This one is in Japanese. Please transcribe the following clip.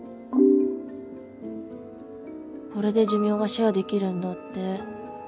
これで寿命がシェアできるんだって。